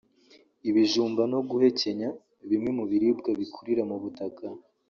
ibijumba no guhekenya bimwe mu biribwa bikurira mu butaka